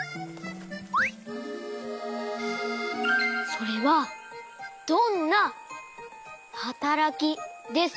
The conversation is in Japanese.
それはどんなはたらきですか？